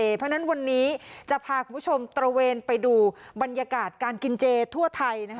เพราะฉะนั้นวันนี้จะพาคุณผู้ชมตระเวนไปดูบรรยากาศการกินเจทั่วไทย